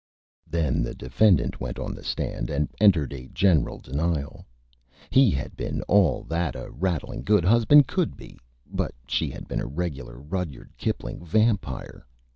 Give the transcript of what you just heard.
Then the Defendant went on the Stand and entered a General Denial. He had been all that a Rattling Good Husband could be, but she had been a regular Rudyard Kipling Vampire.